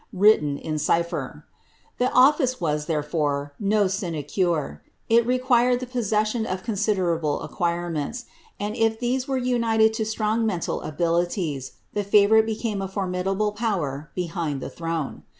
written in cipher. This office was, therefore, no sinecure; it required the posse aion of considerable acquirements, and if these were united io sinuig mental abilities, tho favourite became a formidable power behind die throne.